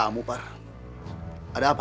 kamu par ada apa